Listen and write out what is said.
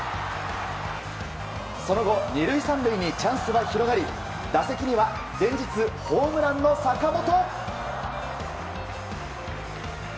その後、２塁３塁にチャンスは広がり打席には前日、ホームランの坂本。